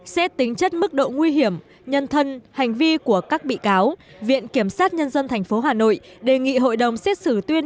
xét tính chất mức độ nguy hiểm nhân thân hành vi của các bị cáo viện kiểm sát nhân dân tp hà nội đề nghị hội đồng xét xử tuyên